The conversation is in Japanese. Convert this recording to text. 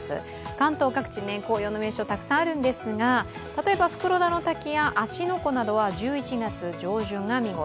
関東各地、紅葉の名所はたくさんあるんですが例えば袋田の滝や芦ノ湖などは１１月上旬が見頃。